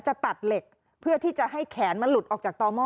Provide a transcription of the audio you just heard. จะตัดเหล็กเพื่อที่จะให้แขนมันหลุดออกจากต่อหม้อ